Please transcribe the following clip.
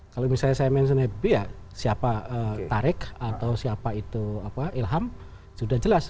kalau misalnya saya mention habibie ya siapa tarik atau siapa itu ilham sudah jelas